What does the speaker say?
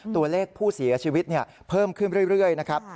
ตัวเลขผู้เสียชีวิตเพิ่มขึ้นเรื่อยนะครับ